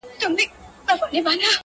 ښه دی چي لونگ چي تور دی لمبې کوي-